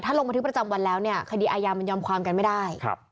ลงบันทึกประจำวันแล้วเนี่ยคดีอายามันยอมความกันไม่ได้